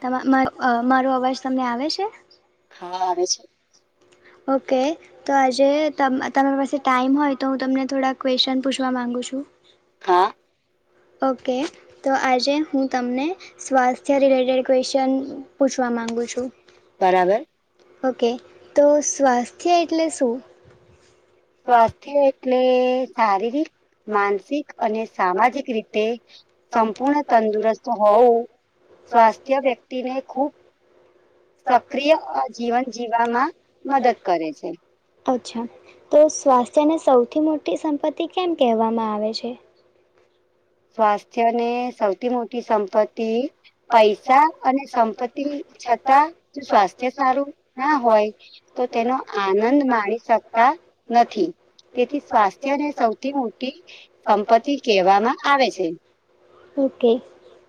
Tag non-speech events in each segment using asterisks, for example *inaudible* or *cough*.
તમા મારો અવાજ તમને આવે છે? કે તો આજે તમ તમારી પાસે ટાઈમ હોય તો હું તમને થોડા કવેશ્ચન પૂછવા માગુ છું. હા. ઓકે તો આજે હું તમને, સ્વાસ્થ્ય રિલેટેડ ક્વેશ્ચન પૂછવા માંગુ છું. ઓકે તો સ્વાસ્થ્ય એટલે શું? સ્વાસ્થ્ય એટલે શારીરિક માનસિક અને સામાજિક રીતે તે, સંપૂર્ણ તંદુરસ્ત હોવું સ્વાસ્થ્ય વ્યક્તિને ખૂબ સક્રિય જીવન જીવવામાં મદદ કરે છે. અચ્છા, તો સ્વાસ્થ્યને સૌથી મોટી સંપત્તિ કેમ કહેવામાં આવે છે? *inaudible* સ્વાસ્થ્ય ને સૌથી મોટી સંપત્તિ પૈસા અને સંપત્તિ છતાં સ્વાસ્થ્ય સારું ના હોય, તો તેનો આનંદ માણી શક નથી તેથી સ્વાસ્થ્યને સૌથી મોટી, સંપત્તિ કહેવામાં આવે છે. ઓકે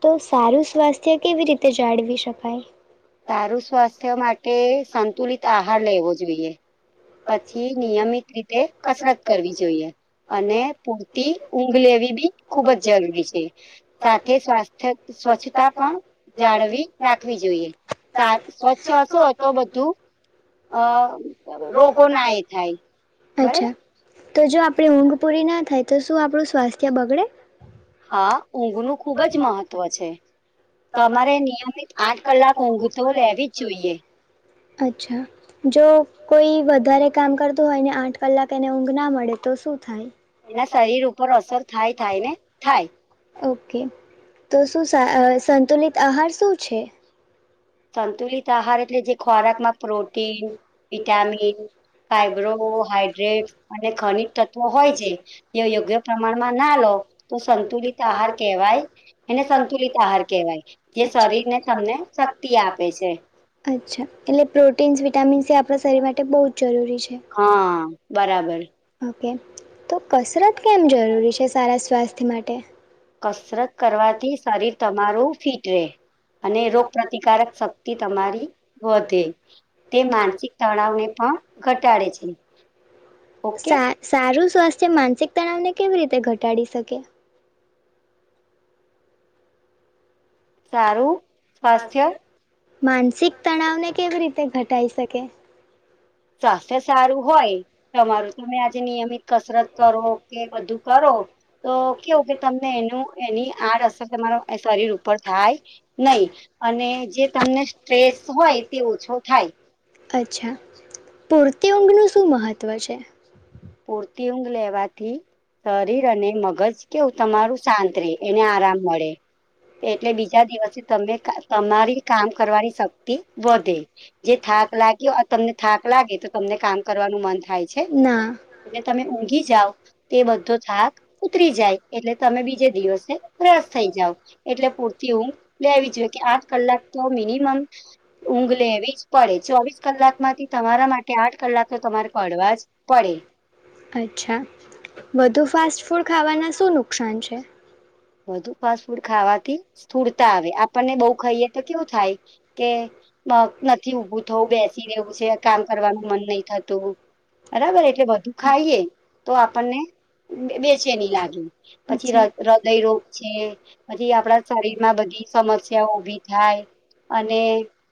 તો સારું સ્વાસ્થ્ય કેવી રીતે જાળવી શકાય? તારું સ્વાસ્થ્ય માટે સંતુલિત આહાર લેવો જોઈએ. પછી નિયમિત રીતે કસરત કરવી જોઈએ. અને પૂરતી ઊંઘ લેવી બી ખુબ જ જરૂરી છે, સાથે સ્વાસ્થ્ય સ્વચ્છતા પણ જાળવી રાખવી જોઈએ. સ્વચ્છ હશો તો બધું અ કો ના એ થાય, બરાબર. તો જો આપે ઊંઘ પૂરી ના થાય તો શું આપણું સ્વાસ્થ્ય બગડે? હા ઊંઘ ન ખુબ જ મહત્વ છે. તમારે નિયમિત આઠ કલાક ઊંઘ તો લેવી જ જોઈએ. અચ્છા, જો કોઈ વધારે કામ કરતું હોય ને આઠ કલાક એને ઊંઘ ના મળે તો શું થાય? એના શરીર ઉપર અસર થાય થાય ને થાય. *unintelligible* શું સંતુલિત આહાર શું છે? સંતુલિત આહાર એટલે જે ખોરાકમાં પ્રોટીન વિટામિન, ફાઈબ્રોહાઈડ્રેટ અને ખનજ તત્વો હોય છે, તે યોગ્ય પ્રમાણમાં ના લો, તો સંતુલિત આહાર કહેવાય અનેને સંતુલિત આહાર કહેવાય. શરીર ને તમને અચ્છા એટલે પ્રોટીન્સ વિટામિન્સ એ આપણા શરીર માટે બહુ જ જરૂરી છે. હા બરાબર. તો કસરત કેમ જરૂરી છે સારા સ્વાસ્થ્ય માટે? કસરત કરવાથી શરીર તમારું ફિટ રહે. અને રોગપ્રતિકારક શક્તિ તમારી વધે, તે માનસિક તણાવને પણ ઘટાડે છે, સારું સ્વાસ્થ્ય માનસિક તણાવને કેવી રીતે ઘટાડી શકે? સારું સ્વાસ્થ્ય માનસિક તણાવને કેવી રીતે ઘટાઈ શકે? સ્વાસ્થ્ય સારું હોય, તમારું તમે આજે નિયમિત કસરત કરો કે બધું કરો. તો કેવું કે તને એ એની આડ અસર તમારા શરીર ઉપર થાય નહી અને તમને સ્ટ્રેસ હોય તે ઓછો થાય. અચ્છા, પૂરતી ઊંઘનું શું મહત્વ છે? પૂરતી ઊંઘ લેવાથી શરીર અને મગજ કેવું તમારું શાંત રે એને આરામ મળે. એટલે બીજા દિવસે ત તમારી કામ કરવાની શક્તિ વધે, જે થાક લાગે તમને થાક લાગે તો તમને કામ કરવાનું મન થાય છે? એ તમે ઊંઘી જાવ, તે બધો થાક ઉતરી જાય એટલે તમે બીજે દિવસે ફેશ થઈ જાવ. એટલે પૂરતી ઊંઘ લેવી જોઈએ, કે આઠ કલાક તો મિનિમમ ઊંઘ લેવી જ પડે છે. ચોવીસ કલાકમાંથી, તમારા માટે આઠ કલાક, તો તમારે કડવા જ પડે અચ્છા વધુ ફાસ્ટ ફૂડ, ખાવાના શું નુકસાન છે. વધુ ફાસ્ટ ફૂડ ખાવાથી સુડતા, આવે આપને બહ ખાઈએ તો કેવું થાય કે, નથી. ઊભુ થવુ બેસી રહું છે, કામ કરવાનું મન નહી, થતું. બરાબર એટલે બધું ખાઈએ, તો આપણને બેચેની લાગે પછી હૃદયરોગ છે. પછી આપડા શરીરમા બધી સમસ્યાઓ ઊભી, થાય. અને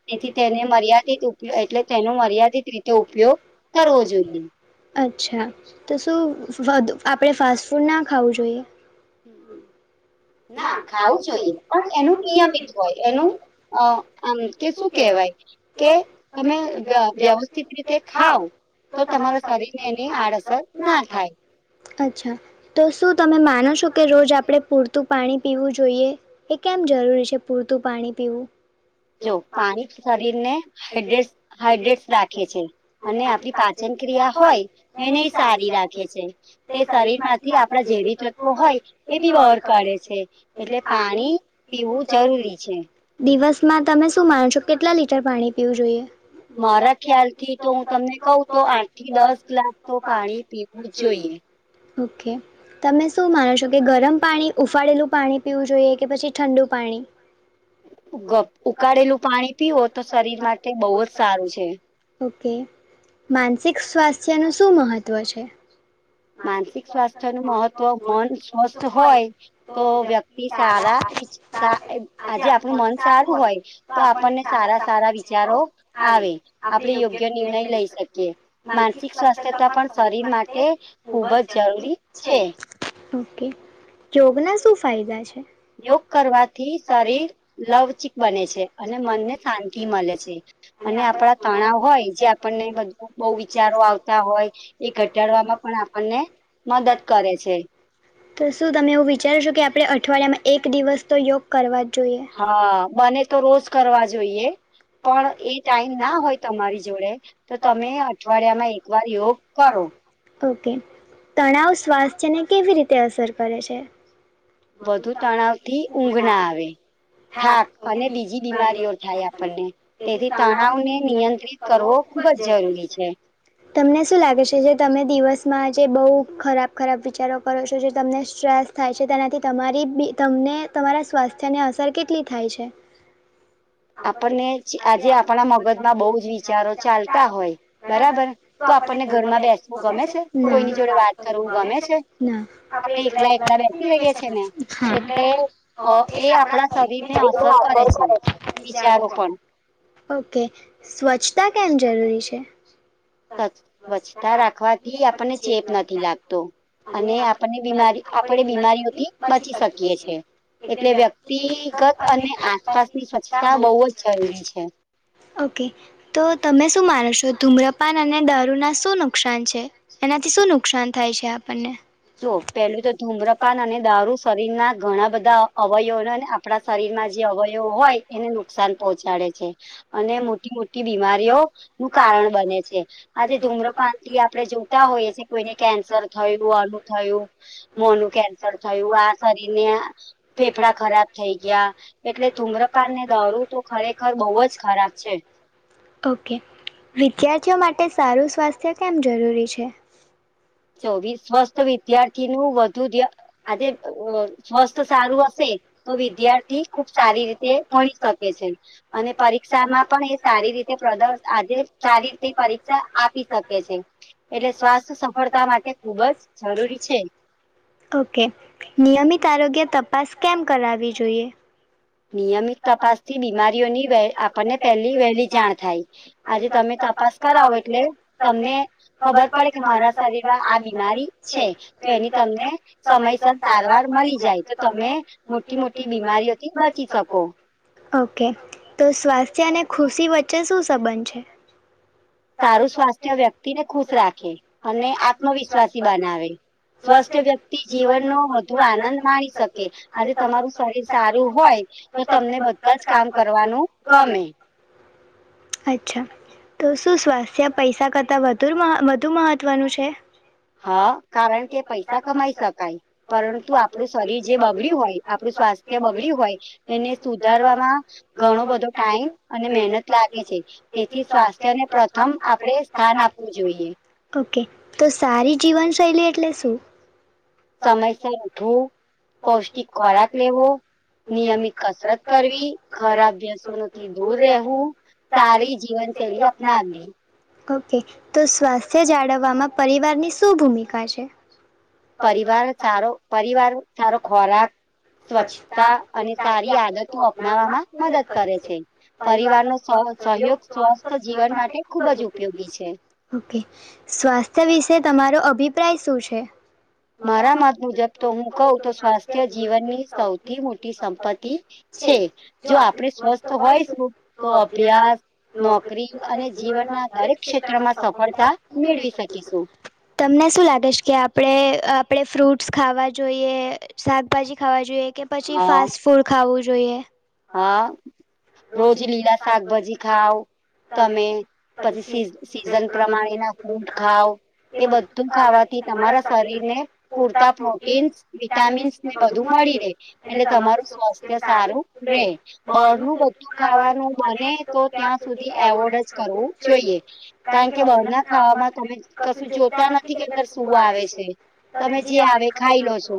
તેથી, તેને મર્યાદિત એટલે તેનો મર્યાદિત રીતે, ઉપયોગ કરવો. જોઈએ. અચ્છા, તો શું આપણે ફાસ્ટ ફૂડના ખાવું, જોઈએ. હમ ના ખાવું જોઈએ, પણ એનું નિયમિત હોય, એનું આમ કે શું કેહેવાય. કે તમે વ્યવસ્થિત રીતે ખાવ. તો તમારા શરીરને, એની આડઅસર ના થાય અચ્છા, તો શું તમે માનો છો, કે રોજ આપણે પૂરતું પાણી પીવું જોઈએ, એ કેમ જરૂરી છે, પૂરતું પાણી પીવું જો પાણી શરીર ને હાઈડ્રેટસ રાખે છે, અને આપણી પાચનક્રિયા હોય, એને સારી રાખે છે, તે શરીર માંથી આપડા જેવીી તત્વો હોય, એ બી વ- કરે છે, એટલે પાણી પીવું જરૂરી છે. દિવસમાં તમે શું માનો છો, કેટલા લીટર પાણી પીવું? જોઈએ. મારા ખ્યાલ થી, તો હું તમને કઉ તો આઠ થી દસ ગ્લાસ, તો પાણી પીવું જોઈએ. *inaudible* ઓકે તમે શું માનો છો, કે ગરમ પાણી ઉફાળેલું પાણી, પીવું જોઈએ કે પછી ઠંડુ પાણી. ઉકાળેલું પાણી, પીવો તો શરીર માટે બહુ જ સારું છે. કે માનસિક સ્વાસ્થ્યનું શું મહત્ત્વ છે. માનસિક સ્વાસ્થ્ય નું મહત્વ મન સ્વસ્થ હોય. તો વ્યક્તિ સારા આજે આપણું મન સારું હોય, તો આપણને સારા સારા વિચારો, આવે આપણે યોગ્ય નિર્ણય લઈ, શકીએ માનસિક સ્વાસ્થ્યતા પણ શરીર માટે ખુબજ જરૂરી છે. ઓકે યોગના શું ફાયદા છે. યોગ કરવાથી શરીર લવચિક બને છે, અને મનને શાંતિ મળે છે. અને આપડા તણાવ હોય, જે આપણને બધું બહુ વિચારો આવતા હોય, એ ઘટાડવા પણ આપણને મદદ કરે છે. તો શું તમે એવું વિચારો છો, કે આપણે અઠવાડિયામાં એક દિવસ, તો યોગ કરવા મને તોજ કરવા જોઈએ. પણ એ ટાઈમ ના હોય, તમારી જોડે તો તમે અઠવાડિયામાં એક વાર યોગ કરો. ઓકે તણાવ સ્વાસ્થ્ય ને કેવી રીતે અસર કરે છે. વધુ તણાવથી ઊંઘ ના આવે. થાક અને બીજી બીમારીઓ થાય, આપણને તેથી તણાવને નિયંત્રિત કરવો ખુબજ જરૂરી છે. તમને શું લાગે છે, જે તમે દિવસમાં જે બહુ ખરાબ, ખરાબ વિચારો કરો છો, જે તમને સ્ટ્રેસ થાય છે, તેનાથી તમારી બી તમને, તમારા સ્વાસ્થ્યને અસર કેટલી થાય છે. *inaudible* આપણને આજે આપણા મગજમાં બહુ, જ વિચારો ચાલતા હોય, બરાબર. આપને ઘરમાં બેઠું ગમે છે, વાત કર ગમે છે, આપેલા *unintelligible* છેને, અને એ આપણા શરીર ને એવ *unintelligible* ઓકે સ્વચ્છતા કેમ જરૂરી છે. સ્વચ્છતા રાખવાથી આપણને ચેપ નથી લાગતો, અને આપને બીમારી આપણે બીમારીઓથી બચી શકીએ છીએ. એટલે વ્યક્તિગત અને આસપાસની સ્વચ્છતા બહ જ જરૂરી છે. ઓકે, તો તમે શું માનું છો? જો ધૂમ્રપાન અને દારૂના શું નુકસાન છે એનાથી શું નુકસાન થાય છે આપણને? *unintelligible* ધૂમ્રપાન અને દારૂ શરીરના ઘણા બધા અવયવ આપણા શરીરમાં જે અવયવો હોય. એને નુકસાન પહોંચાડે છે, અને મોટી મોટી બીમારીઓ નું કારણ બને છે. આજે ધૂમ્રપાન થી આપણે જોતા હોઈએ કોઈને કેન્સર થયું અલું થયું. મો નું કેન્સર થયું આ શરીર ને ફેફડા ખરાબ થઈ ગયા, એટલે ધુમ પ્રકારને દોરું તો ખરેખર બહુ જ ખરાબ છે. ઓકે, વિદ્યાર્થીઓ માટે સારું સ્વાસ્થ્ય કેમ જરૂરી છે? ચોવીસ સ્વસ્થ વિદ્યાર્થીને વધુ આજે સ્વસ્થ સારું હશે તો વિદ્યાર્થી ખુબ સારી રીતે એ મળી શકે છે, અને પરીક્ષામાં પણ એ સારી રીતે પ્રદ આજે સારી રીતે પરીક્ષા આપી શકે છે, એટલે સ્વાસ્થ્ય સફળતા માટે ખુબ જ જરૂરી છે. ઓકે, નિયમિત આરોગ્ય તપાસ કેમ કરવી જોઈએ. નિયમિત તપાસથી બીમારીઓની આપણને પહેલી વહેલી જાણ થાય, આજે તમે તપાસ કરાવો એટલે તમને ખબર પડે કે મારા શરીરમાં આ બીમારી છે, તો એની તમને સમયસર સારવાર મળી જાય તો તમે, મોટી મોટી બીમારીઓ ક બાચી શકો. ઓકે, તો સ્વાસ્થ્ય અને ખુશી વચ્ચે શું સંબંધ છે? સારું સ્વાસ્થ્ય વ્યક્તિને ખુશ રાખે અને આત્મવિશ્વાસી બનાવે. સ્વસ્થ વ્યક્તિ જીવન નો વધુ આનંદ માણી શકે, આજે તમારું શરીર સારું હોય. તો તમને બધા જ કામ કરવાનું ગમે. *inaudible* અચ્છા, તો શું સ્વાસ્થ્ય પૈસા કરતાં વધુ વધુ મહત્વનું છે? હા કારણ કે પૈસા કમાઈ શકાય, પરંતુ આપણું શરીર જે બગડ્યું હોય આપણું સ્વાસ્થ્ય બગડ્યું હોય. એને સુધારવામાં, ઘણો બધો ટાઈમ અને મહેનત લાગે છે, તેથી સ્વાસ્થ્યને પ્રથમ આપણેે સ્થાન આપવું જોઈએ. ઓકે, તો સારી જીવન શૈલી એટલે શું? સમયસર ઉઠવું પૌષ્ટિક ખોરાક લેવો નિયમિત કસરત કરવી ખરા વ્યસનોથી દૂર રહેવું, સારી જીવન સરી અપણા અલી. ઓકે, તો સ્વાસ્થ્ય જાળવવામાં પરિવાર ની શું ભૂમિકા છે? પરિવાર સારો પરિવાર સારો ખોરાક સ્વચ્છતા અને સારી આદતો અપનાવવામાં મદદ કરે છે, પરિવાર નો સહયોગ સ્વસ્થ જીવન માટે ખુબ જ ઉપયોગી છે. ઓકે, સ્વાસ્થ્ય વિશે તમારો અભિપ્રાય શું છે? મારા મત મુજબ તો હું કહઉ તો સ્વાસ્થ્ય જીવનની સૌથી મોટી સંપત્તિ છે, જો આપણેે સ્વસ્થ હોય શું તો અભ્યાસ નોકરી અને જીવનના દરેક ક્ષેત્રમાં સફળતા મેળવી શકીશું. તમને શું લાગે છે કે આપણે આપણે ફ્રૂટ્સ ખાવા જોઈએ શાકભાજી ખાવા જોઈએ કે પછી ફાસ્ટ ફૂડ ખાવું જોઈએ? જોઈએ? હા રોજ લીલા શાકભાજી ખાઓ તમે પછી સ સીઝન પ્રમાણેના ફૂટ ખાવ. એ બધું ખાવાથી તમારા શરીર ને પૂરતા પ્રોટીન્સ વિટામીન્સ ને બધું મળ મળ, એટલે તમારું સ્વાસ્થ્ય સારું રહેે, નું બધું ખાવાનું બને તો ત્યાં સુધી એવોડ જ કરવું જોઈએ કારણ કે બના ખા એમાં તમે કશું જોતા નથી કે અંદર શું આવે છે તમે જે આવે ખાઈ લો છો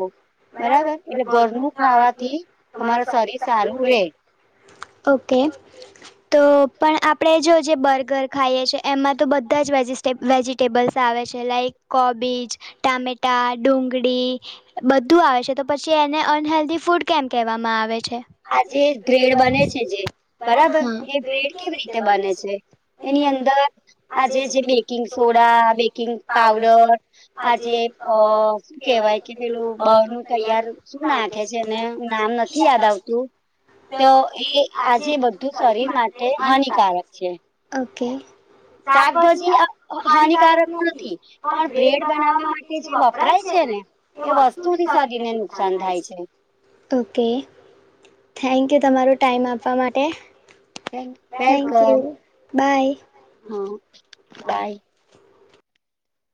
બરાબર એટલે ઘરનું ખાવાથી તમાર શરીર સારું રે *unintelligible* તો પણ આપણેે જો જે બર્ગર ખાઈએ છીએ એમાં તો બધા જ વે વેજીિટેબલ્સ આવે આવે છે લાઇક કોબીજ ટામેટા ડુંગળી બધું આવે છે તો પછી ને અન હેલ્ધી ફૂડ કેમ કહેવામાં આવે છે આ જેે બ્રેડ બને છે જે બરાબર એ બ્રેડ કેવી રીતે બને છે એની અંદર આજે જે બેકિંગ સોડા બેકિંગ પઉડર આજે અ શું કેવાય કે પેલું બા નું તૈયાર શું નાખે છે અને નામ નથી યાદ આવતું તો એ આજે બધું શરીર માટે હાનિકારક છે શાકભાજી હાનિકારક નથી પણ બ્રેડ બનાવવા માટે જે વપરાય છે ને એ વસ્તુથી શરીને નુકસાન થાય છે ઓકે થેન્ક યુ તમારો ટાઈમ આપવા માટે વલકમ હા બાય